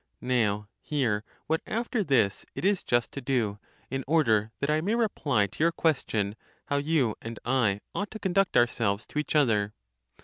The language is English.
Now hear what after this it is just to do, in order that I may reply to your question, how you and I ought to conduct ourselves to each other.